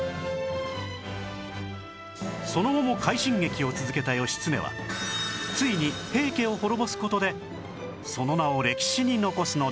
その後も快進撃を続けた義経はついに平家を滅ぼす事でその名を歴史に残すのです